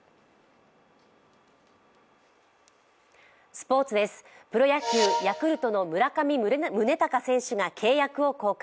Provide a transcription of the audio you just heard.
スポーツです、プロ野球、ヤクルトの村上宗隆選手が契約を更改。